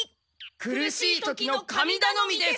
苦しい時の神だのみです。